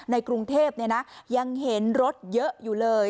ในกรุงเทพยังเห็นรถเยอะอยู่เลย